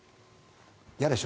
嫌でしょ？